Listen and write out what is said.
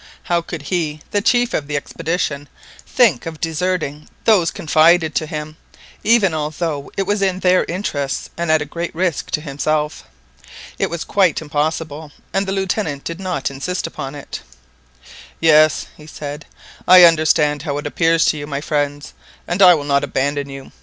How could he, the chief of the expedition, think of deserting those confided to him, even although it was in their interests and at great risk to himself. It was quite impossible, and the Lieutenant did not insist upon it. "Yes," he said, "I understand how it appears to you, my friends, and I will not abandon you.